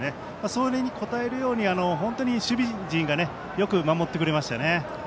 それに応えるように本当に守備陣がよく守ってくれましたよね。